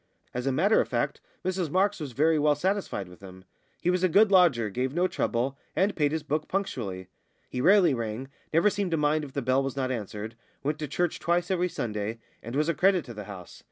As a matter of fact, Mrs Marks was very well satisfied with him. He was a good lodger, gave no trouble, and paid his book punctually; he rarely rang, never seemed to mind if the bell was not answered, went to church twice every Sunday, and was a credit to the house.